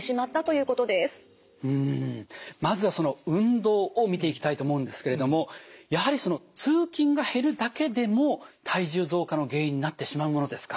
うんまずはその運動を見ていきたいと思うんですけれどもやはり通勤が減るだけでも体重増加の原因になってしまうものですか？